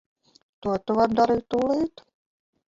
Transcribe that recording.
To tu vari darīt tūlīt.